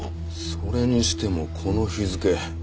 それにしてもこの日付。